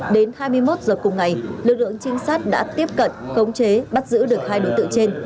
đến hai mươi một h cùng ngày lực lượng trinh sát đã tiếp cận khống chế bắt giữ được hai đối tượng trên